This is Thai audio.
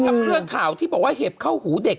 ก็มีครับบริเวณข่าวที่บอกว่าเห็บเข้าหูเด็ก